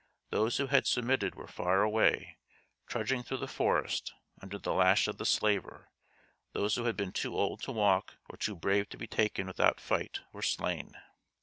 Those who had submitted were far away, trudging through the forest, under the lash of the slaver; those who had been too old to walk or too brave to be taken without fight were slain.